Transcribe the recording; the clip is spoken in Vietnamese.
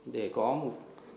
để có một